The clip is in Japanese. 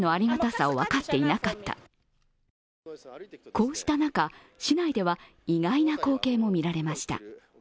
こうした中、市内では意外な光景も見られました。